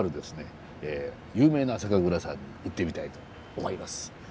有名な酒蔵さんに行ってみたいと思います。